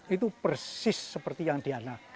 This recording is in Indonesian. itu persis seperti yang diana